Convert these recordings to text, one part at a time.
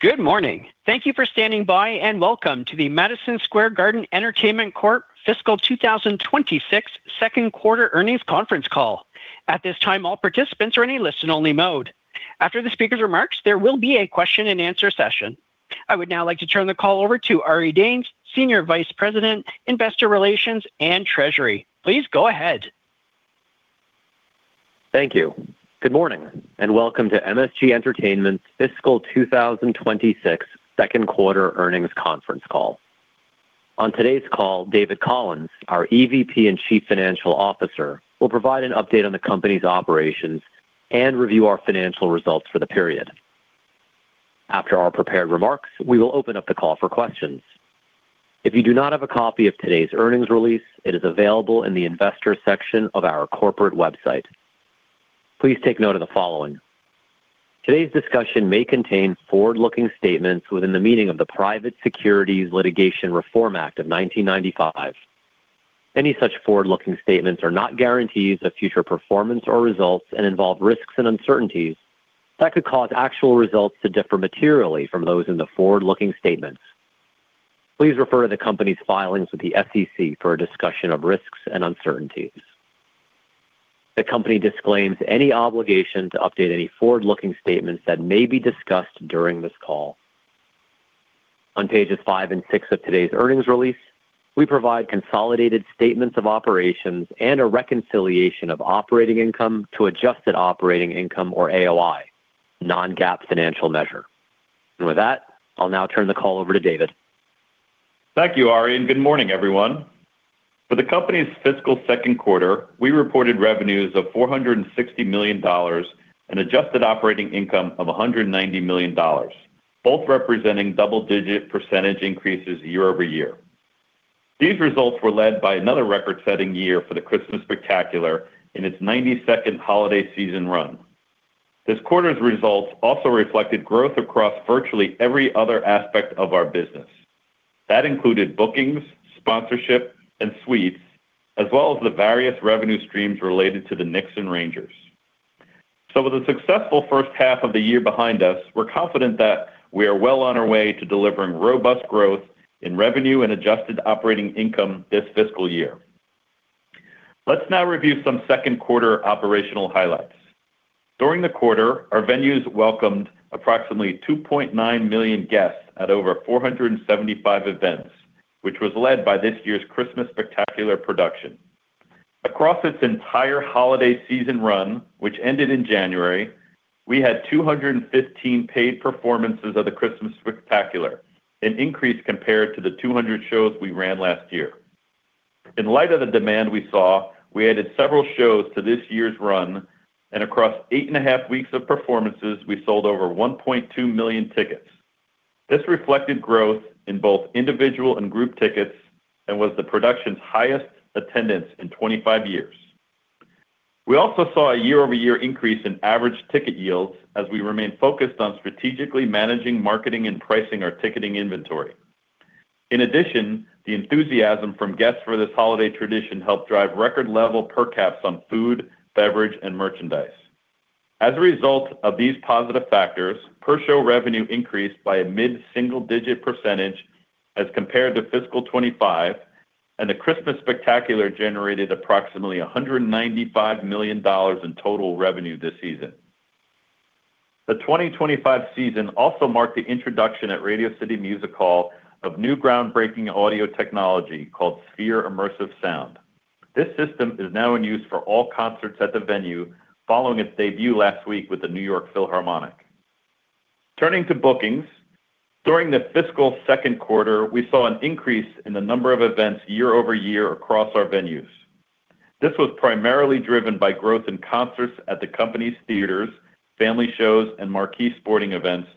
Good morning. Thank you for standing by, and welcome to the Madison Square Garden Entertainment Corp. fiscal 2026 second quarter earnings conference call. At this time, all participants are in a listen-only mode. After the speaker's remarks, there will be a question-and-answer session. I would now like to turn the call over to Ari Danes, Senior Vice President, Investor Relations and Treasury. Please go ahead. Thank you. Good morning, and welcome to MSG Entertainment's Fiscal 2026 second quarter earnings conference call. On today's call, David Collins, our EVP and Chief Financial Officer, will provide an update on the company's operations and review our financial results for the period. After our prepared remarks, we will open up the call for questions. If you do not have a copy of today's earnings release, it is available in the investor section of our corporate website. Please take note of the following: Today's discussion may contain forward-looking statements within the meaning of the Private Securities Litigation Reform Act of 1995. Any such forward-looking statements are not guarantees of future performance or results and involve risks and uncertainties that could cause actual results to differ materially from those in the forward-looking statements. Please refer to the company's filings with the SEC for a discussion of risks and uncertainties. The company disclaims any obligation to update any forward-looking statements that may be discussed during this call. On pages five and six of today's earnings release, we provide consolidated statements of operations and a reconciliation of operating income to Adjusted Operating Income, or AOI, non-GAAP financial measure. With that, I'll now turn the call over to David. Thank you, Ari, and good morning, everyone. For the company's fiscal second quarter, we reported revenues of $460 million and adjusted operating income of $190 million, both representing double-digit percentage increases year-over-year. These results were led by another record-setting year for the Christmas Spectacular in its 90th holiday season run. This quarter's results also reflected growth across virtually every other aspect of our business. That included bookings, sponsorship, and suites, as well as the various revenue streams related to the Knicks and Rangers. So with a successful first half of the year behind us, we're confident that we are well on our way to delivering robust growth in revenue and adjusted operating income this fiscal year. Let's now review some second quarter operational highlights. During the quarter, our venues welcomed approximately 2.9 million guests at over 475 events, which was led by this year's Christmas Spectacular production. Across its entire holiday season run, which ended in January, we had 215 paid performances of the Christmas Spectacular, an increase compared to the 200 shows we ran last year. In light of the demand we saw, we added several shows to this year's run, and across 8.5 weeks of performances, we sold over 1.2 million tickets. This reflected growth in both individual and group tickets and was the production's highest attendance in 25 years. We also saw a year-over-year increase in average ticket yields as we remain focused on strategically managing, marketing, and pricing our ticketing inventory. In addition, the enthusiasm from guests for this holiday tradition helped drive record level per caps on food, beverage, and merchandise. As a result of these positive factors, per-show revenue increased by a mid-single-digit percentage as compared to fiscal 2025, and the Christmas Spectacular generated approximately $195 million in total revenue this season. The 2025 season also marked the introduction at Radio City Music Hall of new groundbreaking audio technology called Sphere Immersive Sound. This system is now in use for all concerts at the venue following its debut last week with the New York Philharmonic. Turning to bookings, during the fiscal second quarter, we saw an increase in the number of events year-over-year across our venues. This was primarily driven by growth in concerts at the company's theaters, family shows, and marquee sporting events.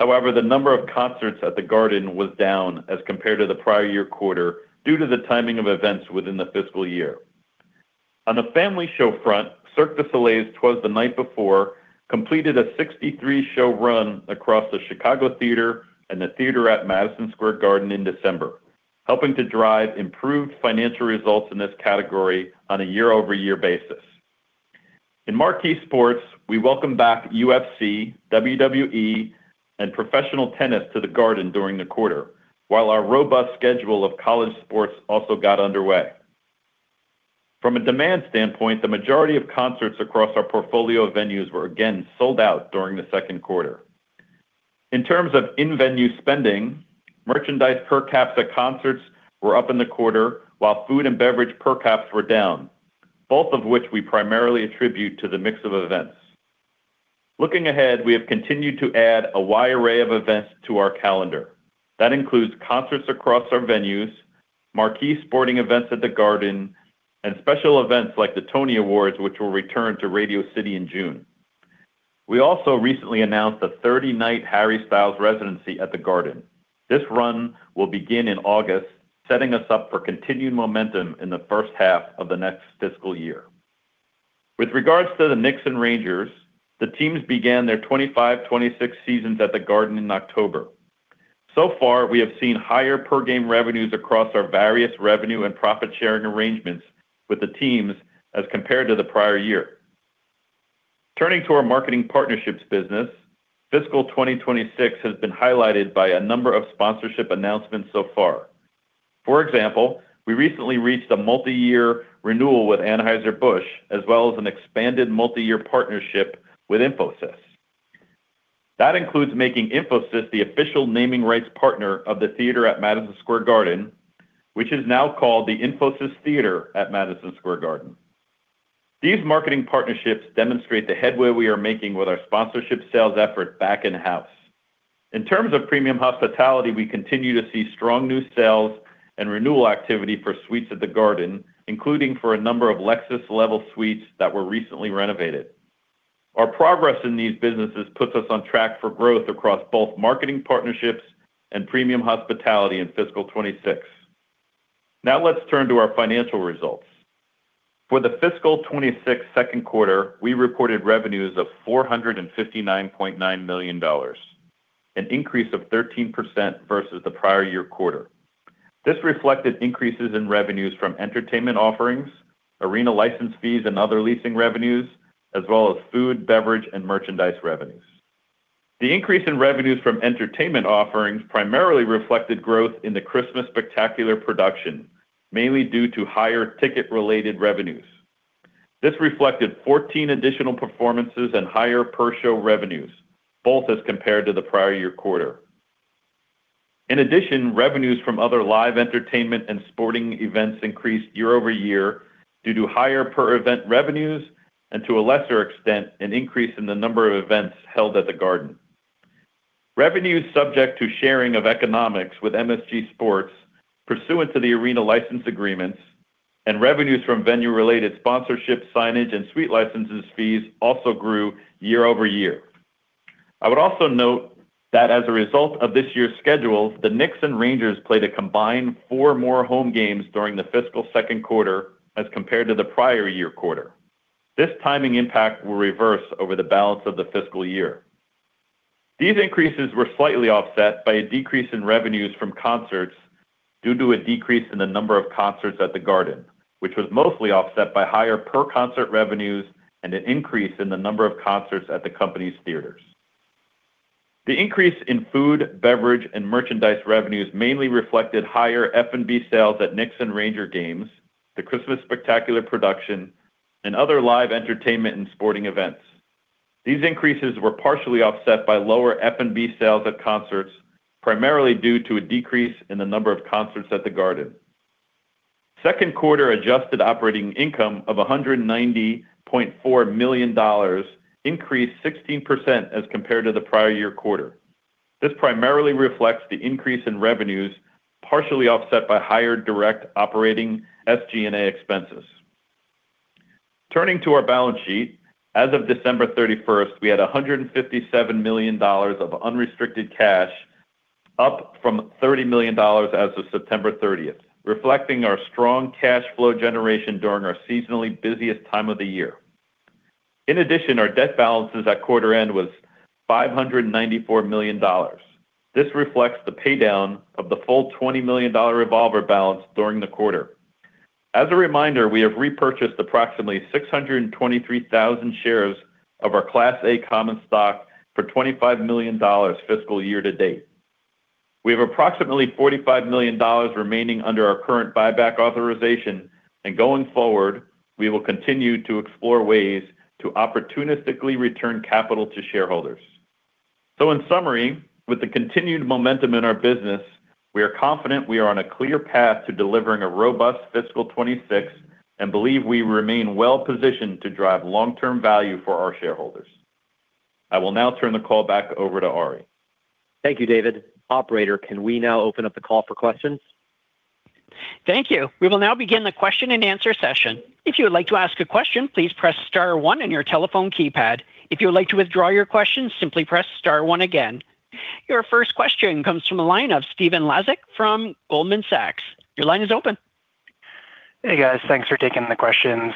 However, the number of concerts at The Garden was down as compared to the prior year quarter due to the timing of events within the fiscal year. On the family show front, Cirque du Soleil's 'Twas the Night Before completed a 63-show run across The Chicago Theatre and The Theater at Madison Square Garden in December, helping to drive improved financial results in this category on a year-over-year basis. In marquee sports, we welcome back UFC, WWE, and professional tennis to the Garden during the quarter, while our robust schedule of college sports also got underway. From a demand standpoint, the majority of concerts across our portfolio of venues were again sold out during the second quarter. In terms of in-venue spending, merchandise per caps at concerts were up in the quarter, while food and beverage per caps were down, both of which we primarily attribute to the mix of events. Looking ahead, we have continued to add a wide array of events to our calendar. That includes concerts across our venues, marquee sporting events at The Garden, and special events like the Tony Awards, which will return to Radio City in June. We also recently announced a 30-night Harry Styles residency at The Garden. This run will begin in August, setting us up for continued momentum in the first half of the next fiscal year. With regards to the Knicks and Rangers, the teams began their 2025-26 seasons at The Garden in October. So far, we have seen higher per-game revenues across our various revenue and profit-sharing arrangements with the teams as compared to the prior year. Turning to our marketing partnerships business, fiscal 2026 has been highlighted by a number of sponsorship announcements so far. For example, we recently reached a multiyear renewal with Anheuser-Busch, as well as an expanded multiyear partnership with Infosys. That includes making Infosys the official naming rights partner of the theater at Madison Square Garden, which is now called the Infosys Theater at Madison Square Garden. These marketing partnerships demonstrate the headway we are making with our sponsorship sales effort back in-house. In terms of premium hospitality, we continue to see strong new sales and renewal activity for suites at the Garden, including for a number of Lexus Level suites that were recently renovated. Our progress in these businesses puts us on track for growth across both marketing partnerships and premium hospitality in fiscal 2026. Now let's turn to our financial results. For the fiscal 2026 second quarter, we reported revenues of $459.9 million, an increase of 13% versus the prior year quarter. This reflected increases in revenues from entertainment offerings, arena license fees, and other leasing revenues, as well as food, beverage, and merchandise revenues. The increase in revenues from entertainment offerings primarily reflected growth in the Christmas Spectacular production, mainly due to higher ticket-related revenues. This reflected 14 additional performances and higher per-show revenues, both as compared to the prior year quarter. In addition, revenues from other live entertainment and sporting events increased year-over-year due to higher per-event revenues and, to a lesser extent, an increase in the number of events held at The Garden. Revenues subject to sharing of economics with MSG Sports, pursuant to the arena license agreements and revenues from venue-related sponsorship, signage, and suite licenses fees also grew year-over-year. I would also note that as a result of this year's schedule, the Knicks and Rangers played a combined four more home games during the fiscal second quarter as compared to the prior year quarter. This timing impact will reverse over the balance of the fiscal year. These increases were slightly offset by a decrease in revenues from concerts due to a decrease in the number of concerts at The Garden, which was mostly offset by higher per-concert revenues and an increase in the number of concerts at the company's theaters. The increase in food, beverage, and merchandise revenues mainly reflected higher F&B sales at Knicks and Rangers games, the Christmas Spectacular production, and other live entertainment and sporting events. These increases were partially offset by lower F&B sales at concerts, primarily due to a decrease in the number of concerts at The Garden. Second quarter adjusted operating income of $190.4 million increased 16% as compared to the prior year quarter. This primarily reflects the increase in revenues, partially offset by higher direct operating SG&A expenses. Turning to our balance sheet, as of December 31, we had $157 million of unrestricted cash, up from $30 million as of September 30, reflecting our strong cash flow generation during our seasonally busiest time of the year. In addition, our debt balances at quarter end was $594 million. This reflects the paydown of the full $20 million revolver balance during the quarter. As a reminder, we have repurchased approximately 623,000 shares of our Class A common stock for $25 million fiscal year to date. We have approximately $45 million remaining under our current buyback authorization, and going forward, we will continue to explore ways to opportunistically return capital to shareholders. In summary, with the continued momentum in our business, we are confident we are on a clear path to delivering a robust fiscal 2026 and believe we remain well positioned to drive long-term value for our shareholders. I will now turn the call back over to Ari. Thank you, David. Operator, can we now open up the call for questions? Thank you. We will now begin the question-and-answer session. If you would like to ask a question, please press star one on your telephone keypad. If you would like to withdraw your question, simply press star one again. Your first question comes from the line of Stephen Laszczyk from Goldman Sachs. Your line is open. Hey, guys. Thanks for taking the questions.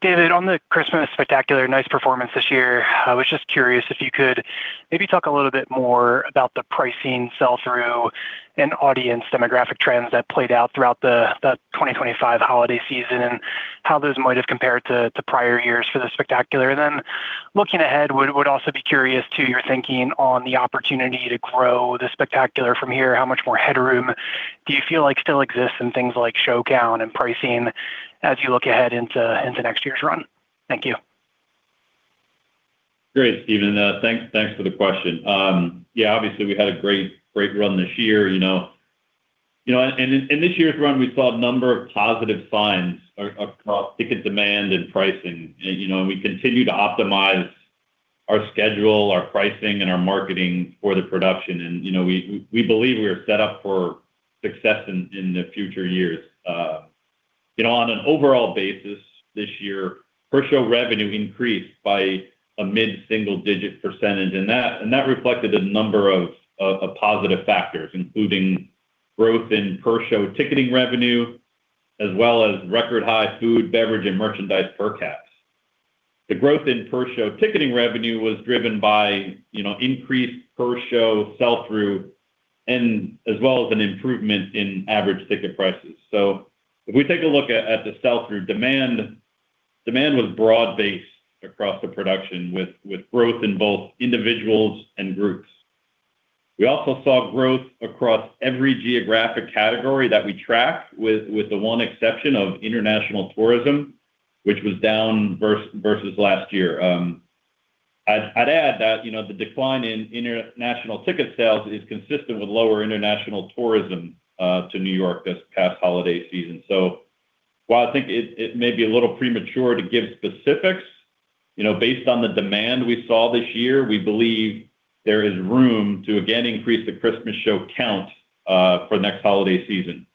David, on the Christmas Spectacular, nice performance this year. I was just curious if you could maybe talk a little bit more about the pricing, sell-through, and audience demographic trends that played out throughout the 2025 holiday season, and how those might have compared to prior years for the Spectacular. And then, looking ahead, would also be curious to your thinking on the opportunity to grow the Spectacular from here. How much more headroom do you feel like still exists in things like show count and pricing as you look ahead into next year's run? Thank you. Great, Stephen. Thanks, thanks for the question. Yeah, obviously, we had a great, great run this year, you know. You know, and in this year's run, we saw a number of positive signs across ticket demand and pricing. And, you know, we continue to optimize our schedule, our pricing, and our marketing for the production. And, you know, we believe we are set up for success in the future years. You know, on an overall basis, this year, per-show revenue increased by a mid-single-digit percentage, and that reflected a number of positive factors, including growth in per-show ticketing revenue, as well as record-high food, beverage, and merchandise per caps. The growth in per-show ticketing revenue was driven by, you know, increased per-show sell-through and as well as an improvement in average ticket prices. So if we take a look at the sell-through demand, demand was broad-based across the production, with growth in both individuals and groups. We also saw growth across every geographic category that we track, with the one exception of international tourism, which was down versus last year. I'd add that, you know, the decline in international ticket sales is consistent with lower international tourism to New York this past holiday season. So while I think it may be a little premature to give specifics, you know, based on the demand we saw this year, we believe there is room to again increase the Christmas show count for next holiday season.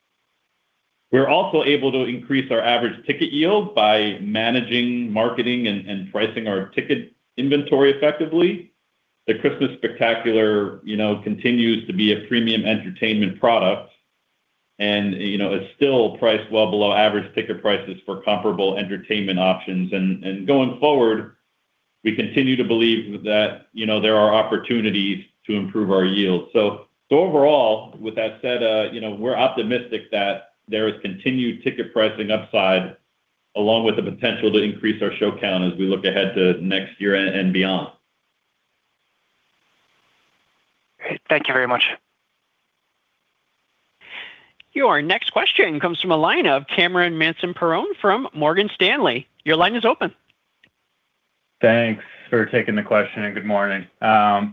We're also able to increase our average ticket yield by managing, marketing, and pricing our ticket inventory effectively. The Christmas Spectacular, you know, continues to be a premium entertainment product, and, you know, it's still priced well below average ticket prices for comparable entertainment options. And going forward, we continue to believe that, you know, there are opportunities to improve our yield. So overall, with that said, you know, we're optimistic that there is continued ticket pricing upside, along with the potential to increase our show count as we look ahead to next year and beyond. Great. Thank you very much. Your next question comes from a line of Cameron Mansson-Perrone from Morgan Stanley. Your line is open. Thanks for taking the question, and good morning.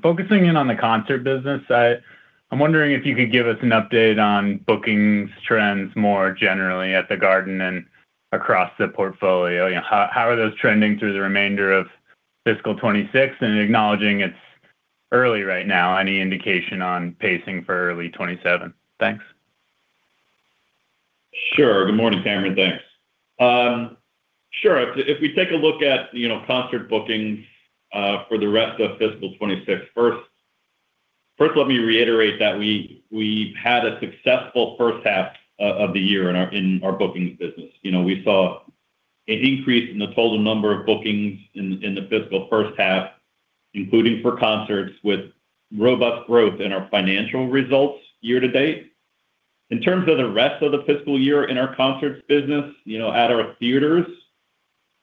Focusing in on the concert business, I'm wondering if you could give us an update on bookings trends more generally at The Garden and across the portfolio. You know, how are those trending through the remainder of fiscal 2026? And acknowledging it's early right now, any indication on pacing for early 2027? Thanks. Sure. Good morning, Cameron. Thanks. Sure, if we take a look at, you know, concert bookings for the rest of fiscal 2026, first, let me reiterate that we had a successful first half of the year in our bookings business. You know, we saw an increase in the total number of bookings in the fiscal first half, including for concerts, with robust growth in our financial results year to date. In terms of the rest of the fiscal year in our concerts business, you know, at our theaters,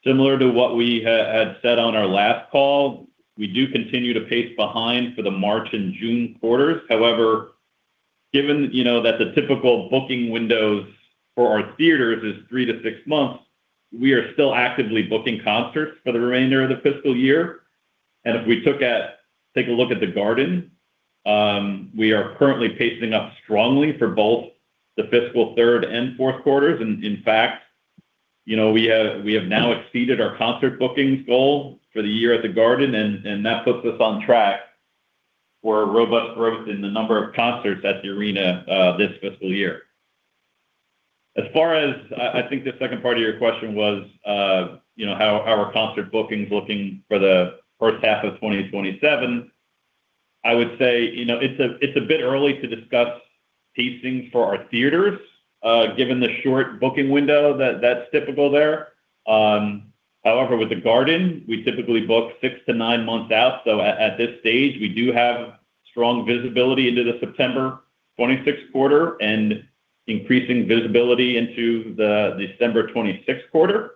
similar to what we had said on our last call, we do continue to pace behind for the March and June quarters. However, given, you know, that the typical booking windows for our theaters is three to six months, we are still actively booking concerts for the remainder of the fiscal year. take a look at The Garden, we are currently pacing up strongly for both the fiscal third and fourth quarters. In fact, you know, we have now exceeded our concert bookings goal for the year at The Garden, and that puts us on track for a robust growth in the number of concerts at the arena, this fiscal year. As far as I think the second part of your question was, you know, how are concert bookings looking for the first half of 2027? I would say, you know, it's a bit early to discuss pacing for our theaters, given the short booking window that's typical there. However, with The Garden, we typically book 6-9 months out, so at this stage, we do have strong visibility into the September 2026 quarter and increasing visibility into the December 2026 quarter.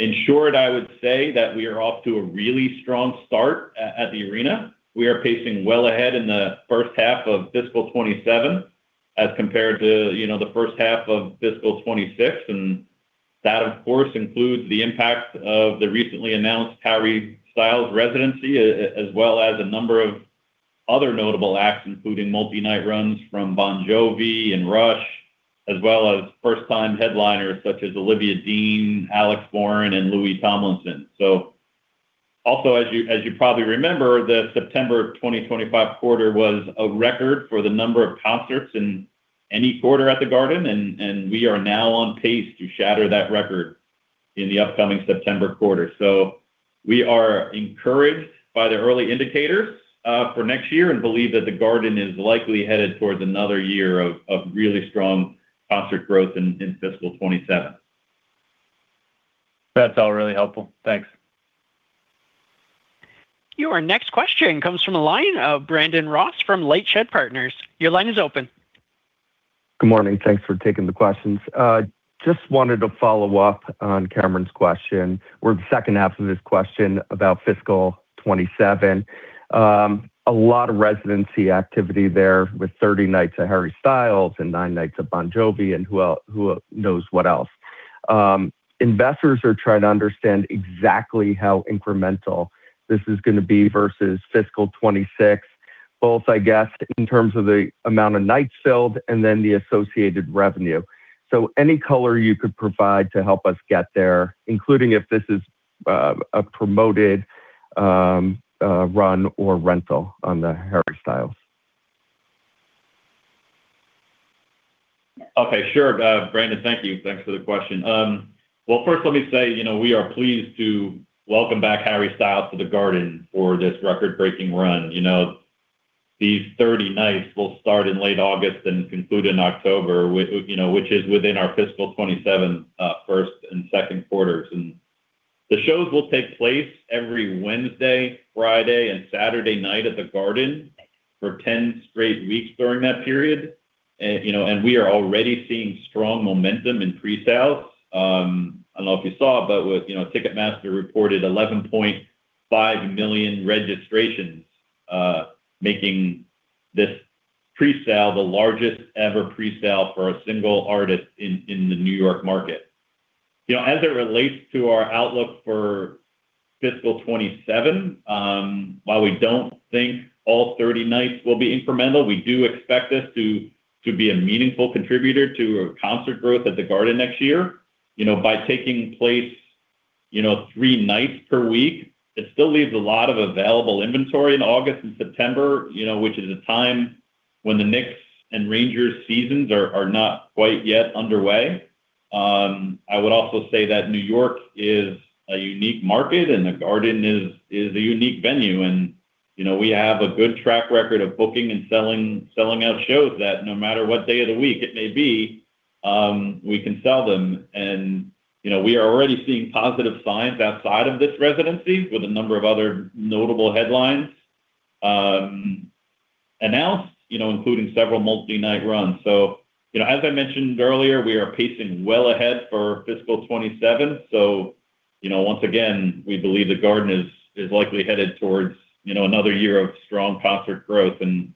In short, I would say that we are off to a really strong start at the arena. We are pacing well ahead in the first half of fiscal 2027 as compared to, you know, the first half of fiscal 2026, and that, of course, includes the impact of the recently announced Harry Styles residency, as well as a number of other notable acts, including multi-night runs from Bon Jovi and Rush, as well as first-time headliners such as Olivia Dean, Alex Warren, and Louis Tomlinson. So also, as you probably remember, the September of 2025 quarter was a record for the number of concerts in any quarter at The Garden, and we are now on pace to shatter that record in the upcoming September quarter. So we are encouraged by the early indicators for next year and believe that The Garden is likely headed towards another year of really strong concert growth in fiscal 2027. That's all really helpful. Thanks. Your next question comes from a line of Brandon Ross from LightShed Partners. Your line is open. Good morning. Thanks for taking the questions. Just wanted to follow up on Cameron's question or the second half of this question about fiscal 2027. A lot of residency activity there with 30 nights of Harry Styles and 9 nights of Bon Jovi, and who knows what else? Investors are trying to understand exactly how incremental this is gonna be versus fiscal 2026, both, I guess, in terms of the amount of nights filled and then the associated revenue. So any color you could provide to help us get there, including if this is a promoted run or rental on the Harry Styles? Okay, sure. Brandon, thank you. Thanks for the question. Well, first let me say, you know, we are pleased to welcome back Harry Styles to The Garden for this record-breaking run. You know, these 30 nights will start in late August and conclude in October, which, you know, is within our fiscal 2027 first and second quarters. The shows will take place every Wednesday, Friday, and Saturday night at the Garden for 10 straight weeks during that period. And, you know, we are already seeing strong momentum in presales. I don't know if you saw, but with, you know, Ticketmaster reported 11.5 million registrations, making this presale the largest-ever presale for a single artist in the New York market. You know, as it relates to our outlook for fiscal 2027, while we don't think all 30 nights will be incremental, we do expect this to be a meaningful contributor to our concert growth at the Garden next year. You know, by taking place three nights per week, it still leaves a lot of available inventory in August and September, you know, which is a time when the Knicks' and Rangers' seasons are not quite yet underway. I would also say that New York is a unique market, and the Garden is a unique venue, and, you know, we have a good track record of booking and selling out shows that no matter what day of the week it may be, we can sell them. You know, we are already seeing positive signs outside of this residency with a number of other notable headlines announced, you know, including several multi-night runs. As I mentioned earlier, we are pacing well ahead for fiscal 2027. Once again, we believe the Garden is likely headed towards, you know, another year of strong concert growth. I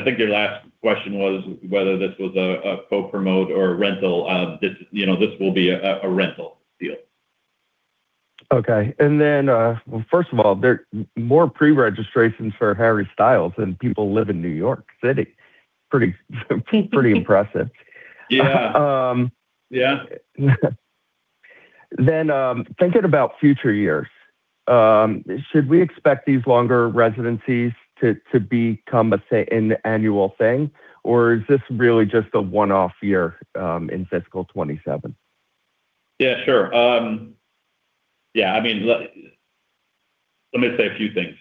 think your last question was whether this was a co-promote or a rental. This, you know, will be a rental deal. Okay. And then, well, first of all, there are more pre-registrations for Harry Styles than people live in New York City. Pretty, pretty impressive. Yeah. Um- Yeah. Thinking about future years, should we expect these longer residencies to become an annual thing, or is this really just a one-off year in fiscal 2027? Yeah, sure. Yeah, I mean, let me say a few things.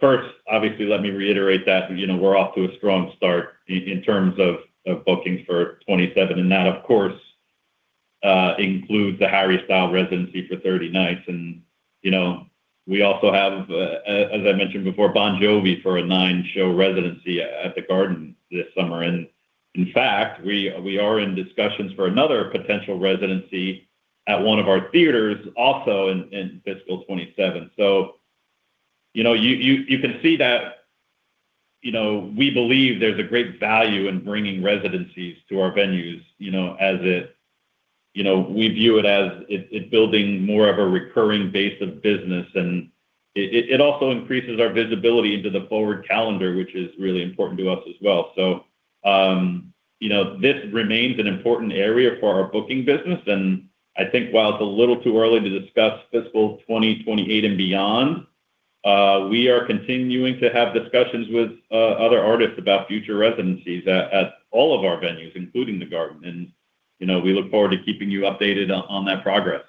First, obviously, let me reiterate that, you know, we're off to a strong start in terms of bookings for 2027, and that, of course, includes the Harry Styles residency for 30 nights. And, you know, we also have, as I mentioned before, Bon Jovi for a 9-show residency at the Garden this summer. And in fact, we are in discussions for another potential residency at one of our theaters also in fiscal 2027. So, you know, you can see that, you know, we believe there's a great value in bringing residencies to our venues. You know, as it you know, we view it as it building more of a recurring base of business, and it also increases our visibility into the forward calendar, which is really important to us as well. So, you know, this remains an important area for our booking business. And I think while it's a little too early to discuss fiscal 2028 and beyond, we are continuing to have discussions with other artists about future residencies at all of our venues, including the Garden. And, you know, we look forward to keeping you updated on that progress.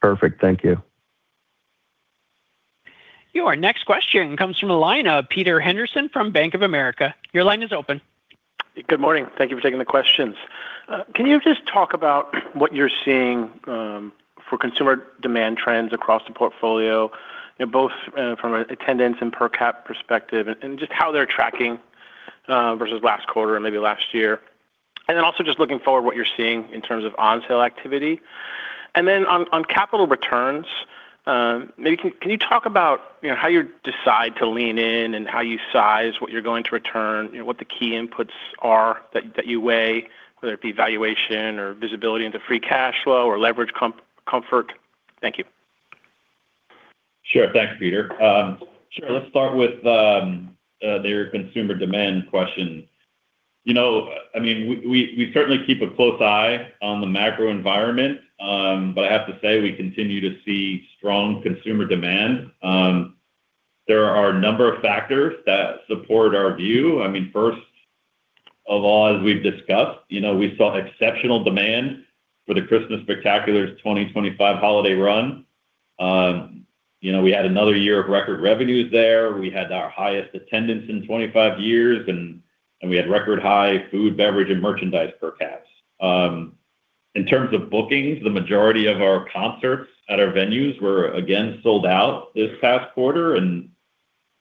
Perfect. Thank you. Your next question comes from the line of Peter Henderson from Bank of America. Your line is open. Good morning. Thank you for taking the questions. Can you just talk about what you're seeing for consumer demand trends across the portfolio, you know, both from an attendance and per cap perspective, and just how they're tracking versus last quarter and maybe last year? And then also just looking forward, what you're seeing in terms of onsale activity. And then on capital returns, maybe can you talk about how you decide to lean in and how you size what you're going to return? You know, what the key inputs are that you weigh, whether it be valuation or visibility into free cash flow or leverage comfort? Thank you. Sure. Thanks, Peter. Sure. Let's start with your consumer demand question. You know, I mean, we certainly keep a close eye on the macro environment, but I have to say, we continue to see strong consumer demand. There are a number of factors that support our view. I mean, first of all, as we've discussed, you know, we saw exceptional demand for the Christmas Spectacular's 2025 holiday run. You know, we had another year of record revenues there. We had our highest attendance in 25 years, and we had record high food, beverage, and merchandise per caps. In terms of bookings, the majority of our concerts at our venues were again sold out this past quarter. And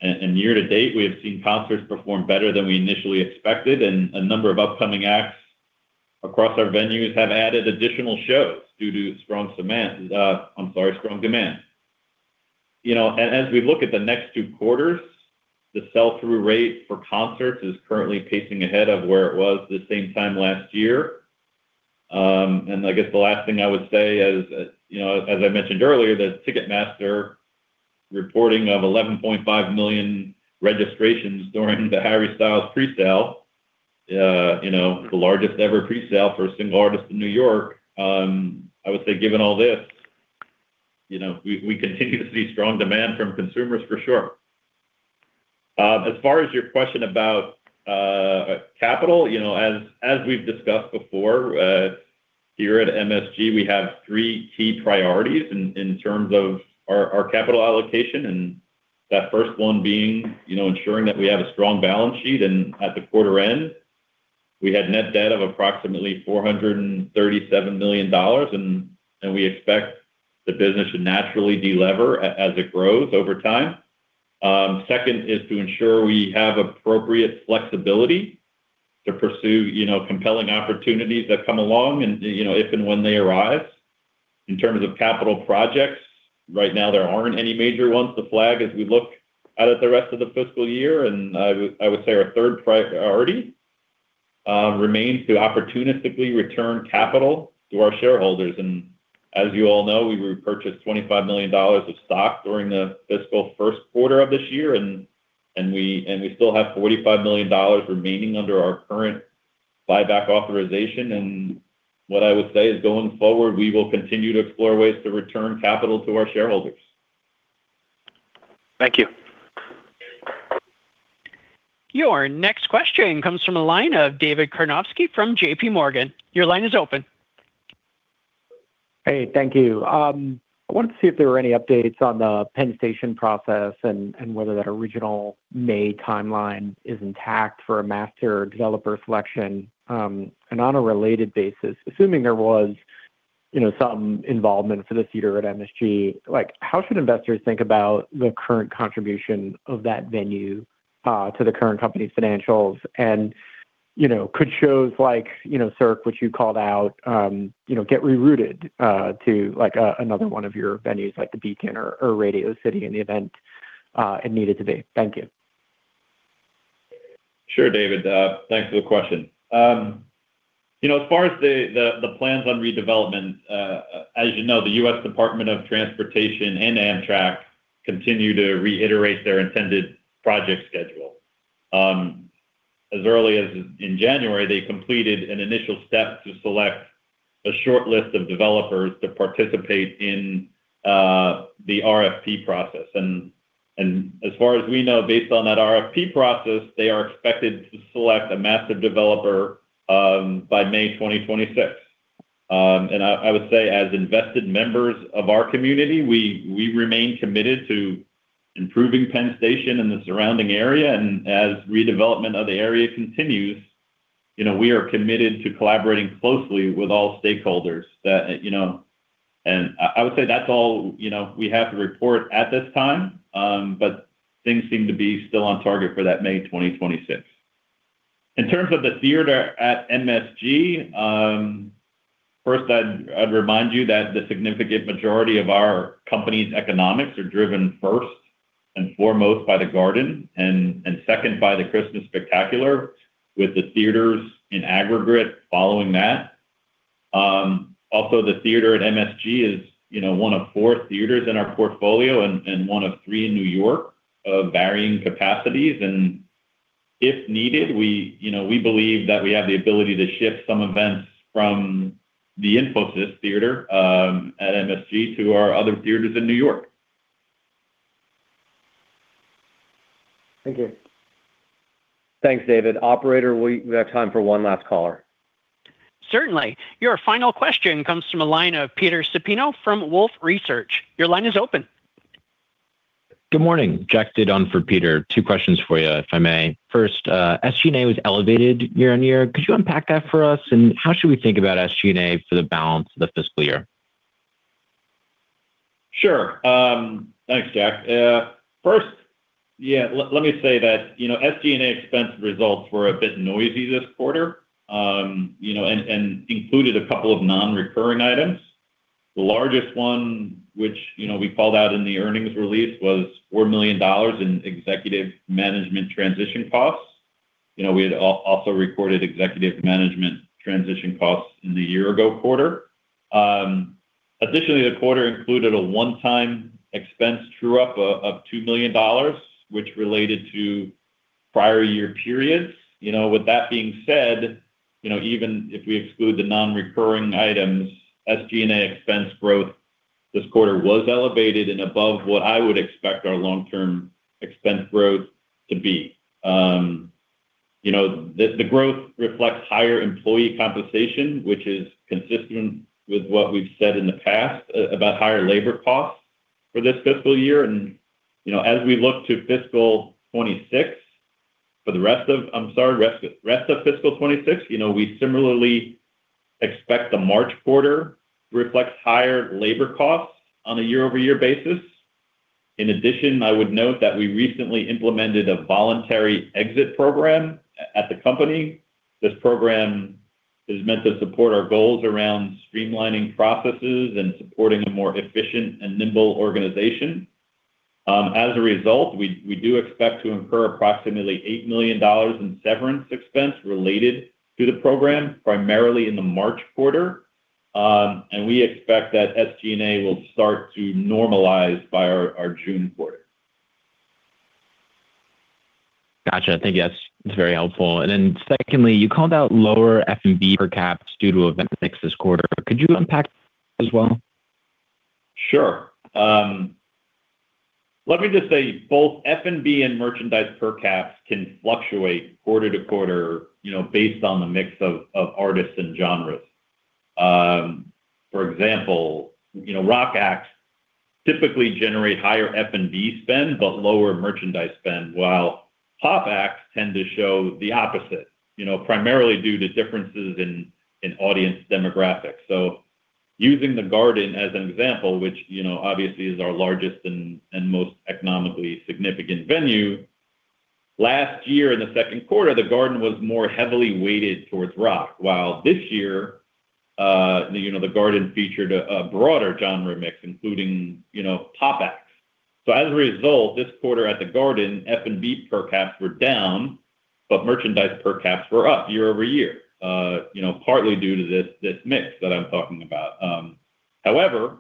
year to date, we have seen concerts perform better than we initially expected, and a number of upcoming acts across our venues have added additional shows due to strong demand, I'm sorry, strong demand. You know, and as we look at the next two quarters, the sell-through rate for concerts is currently pacing ahead of where it was the same time last year. And I guess the last thing I would say, as, you know, as I mentioned earlier, that Ticketmaster reporting of 11.5 million registrations during the Harry Styles presale, you know, the largest ever presale for a single artist in New York. I would say given all this, you know, we, we continue to see strong demand from consumers for sure. As far as your question about capital, you know, as we've discussed before, here at MSG, we have three key priorities in terms of our capital allocation, and that first one being, you know, ensuring that we have a strong balance sheet. At the quarter end, we had net debt of approximately $437 million, and we expect the business to naturally delever as it grows over time. Second is to ensure we have appropriate flexibility to pursue, you know, compelling opportunities that come along and, you know, if and when they arrive. In terms of capital projects, right now, there aren't any major ones to flag as we look out at the rest of the fiscal year. And I would say our third priority remains to opportunistically return capital to our shareholders. As you all know, we repurchased $25 million of stock during the fiscal first quarter of this year, and we still have $45 million remaining under our current buyback authorization. What I would say is, going forward, we will continue to explore ways to return capital to our shareholders. Thank you. Your next question comes from the line of David Karnovsky from J.P. Morgan. Your line is open. Hey, thank you. I wanted to see if there were any updates on the Penn Station process and whether that original May timeline is intact for a master developer selection. And on a related basis, assuming there was, you know, some involvement for the theater at MSG, like, how should investors think about the current contribution of that venue to the current company's financials? And, you know, could shows like, you know, Cirque, which you called out, you know, get rerouted to, like, another one of your venues, like the Beacon or Radio City in the event it needed to be? Thank you. Sure, David, thanks for the question. You know, as far as the plans on redevelopment, as you know, the U.S. Department of Transportation and Amtrak continue to reiterate their intended project schedule. As early as in January, they completed an initial step to select a shortlist of developers to participate in the RFP process. As far as we know, based on that RFP process, they are expected to select a master developer by May 2026. And I would say, as invested members of our community, we remain committed to improving Penn Station and the surrounding area. And as redevelopment of the area continues, you know, we are committed to collaborating closely with all stakeholders. That, you know... I would say that's all, you know, we have to report at this time, but things seem to be still on target for that May 2026. In terms of the theater at MSG, first, I'd remind you that the significant majority of our company's economics are driven first and foremost by the Garden and second by the Christmas Spectacular, with the theaters in aggregate following that. Also, the theater at MSG is, you know, one of four theaters in our portfolio and one of three in New York of varying capacities. And if needed, we, you know, we believe that we have the ability to shift some events from the Infosys Theater at MSG to our other theaters in New York. Thank you. Thanks, David. Operator, we have time for one last caller. Certainly. Your final question comes from a line of Peter Supino from Wolfe Research. Your line is open. Good morning. Jack DiDonato for Peter. Two questions for you, if I may. First, SG&A was elevated year-over-year. Could you unpack that for us, and how should we think about SG&A for the balance of the fiscal year? Sure. Thanks, Jack. First, yeah, let me say that, you know, SG&A expense results were a bit noisy this quarter, you know, and included a couple of nonrecurring items. The largest one, which, you know, we called out in the earnings release, was $4 million in executive management transition costs. You know, we had also recorded executive management transition costs in the year-ago quarter. Additionally, the quarter included a one-time expense true-up of $2 million, which related to prior year periods. You know, with that being said, you know, even if we exclude the nonrecurring items, SG&A expense growth this quarter was elevated and above what I would expect our long-term expense growth to be. You know, the growth reflects higher employee compensation, which is consistent with what we've said in the past about higher labor costs for this fiscal year. And, you know, as we look to fiscal 2026 for the rest of fiscal 2026, you know, we similarly expect the March quarter to reflect higher labor costs on a year-over-year basis. In addition, I would note that we recently implemented a voluntary exit program at the company. This program is meant to support our goals around streamlining processes and supporting a more efficient and nimble organization. As a result, we do expect to incur approximately $8 million in severance expense related to the program, primarily in the March quarter. And we expect that SG&A will start to normalize by our June quarter. Gotcha. I think yes, it's very helpful. And then secondly, you called out lower F&B per caps due to event mix this quarter. Could you unpack as well? Sure. Let me just say, both F&B and merchandise per caps can fluctuate quarter to quarter, you know, based on the mix of, of artists and genres. For example, you know, rock acts typically generate higher F&B spend but lower merchandise spend, while pop acts tend to show the opposite, you know, primarily due to differences in, in audience demographics. So using the Garden as an example, which, you know, obviously is our largest and, and most economically significant venue, last year in the second quarter, the Garden was more heavily weighted towards rock, while this year, you know, the Garden featured a, a broader genre mix, including, you know, pop acts. So as a result, this quarter at the Garden, F&B per caps were down, but merchandise per caps were up year-over-year, you know, partly due to this mix that I'm talking about. However,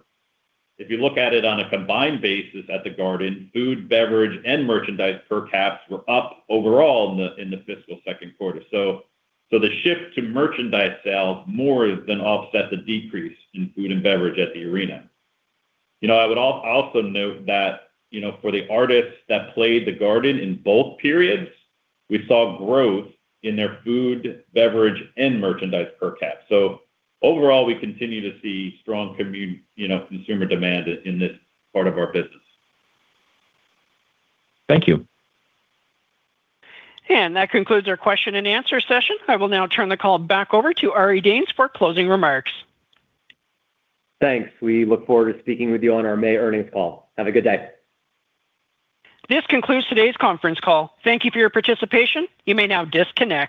if you look at it on a combined basis at the Garden, food, beverage, and merchandise per caps were up overall in the fiscal second quarter. So the shift to merchandise sales more than offsets a decrease in food and beverage at the arena. You know, I would also note that, you know, for the artists that played the Garden in both periods, we saw growth in their food, beverage, and merchandise per cap. So overall, we continue to see strong you know, consumer demand in this part of our business. Thank you. That concludes our question and answer session. I will now turn the call back over to Ari Danes for closing remarks. Thanks. We look forward to speaking with you on our May earnings call. Have a good day. This concludes today's conference call. Thank you for your participation. You may now disconnect.